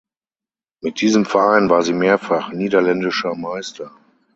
Mit diesem Verein war sie mehrfach niederländischer Meister.